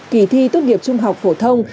kỳ thi tốt nghiệp trung học phổ thông